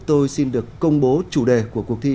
tôi xin được công bố chủ đề của cuộc thi